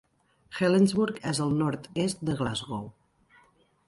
Helensburgh és al nord-est de Glasgow.